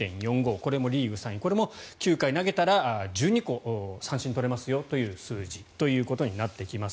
これもリーグ３位これも９回投げたら１２個、三振が取れますよという数字ということになってきます。